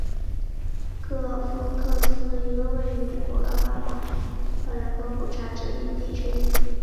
格尔夫克斯特是一个位于美国阿拉巴马州莫比尔县的非建制地区和人口普查指定地区。